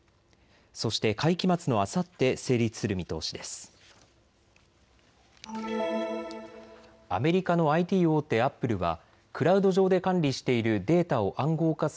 そして会期末のあさって成立する見通しです。